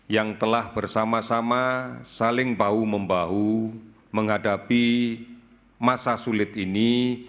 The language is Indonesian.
yang telah bersama sama saling bahu membahu menghadapi masa sulit ini